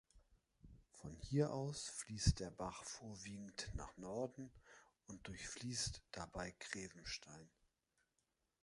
Von hier aus fließt der Bach vorwiegend nach Norden und durchfließt dabei Grevenstein.